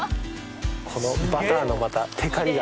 このバターのまたてかりが。